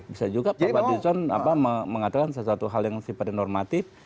bisa juga pak fadlizon mengatakan sesuatu hal yang sifatnya normatif